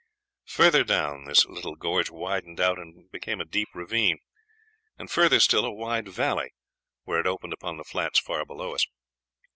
Further down this little gorge widened out and became a deep ravine, and further still a wide valley, where it opened upon the flats far below us.